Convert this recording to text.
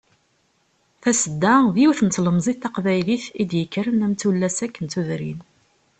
Tasedda, d yiwet n tlemẓit taqbaylit i d-yekkren am tullas akk n tudrin.